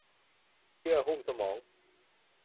เยื่อหุ้มสมอง